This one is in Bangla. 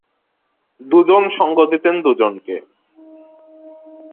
দু জন সঙ্গ দিতেন দু জনকে।